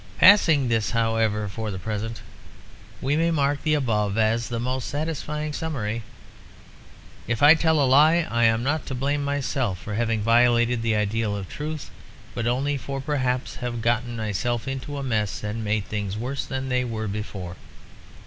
Passing this however for the present, we may mark the above as the most satisfying summary. If I tell a lie I am not to blame myself for having violated the ideal of truth, but only for having perhaps got myself into a mess and made things worse than they were before.